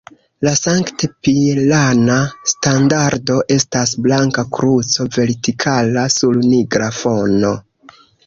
La sankt-pirana standardo estas blanka kruco vertikala sur nigra fono.